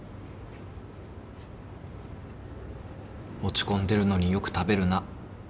落ち込んでるのによく食べるな。